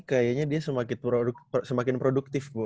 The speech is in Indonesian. kayaknya dia semakin produktif bu